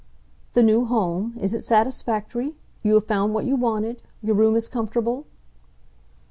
"The new home it is satisfactory? You have found what you wanted? Your room is comfortable?"